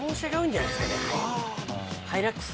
ハイラックス？